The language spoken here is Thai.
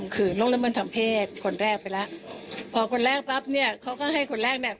เค้าก็ไปบอกคุณพ่อคุณแม่ผู้ปกครอง